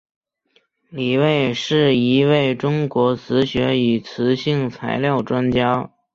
李卫是一位中国磁学与磁性材料专家。